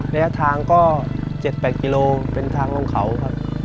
และทางก็เจ็ดแปดกิโลเป็นทางลงเขาครับ